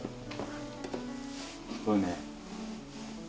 すごいね。